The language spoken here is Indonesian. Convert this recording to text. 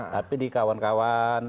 tapi di kawan kawan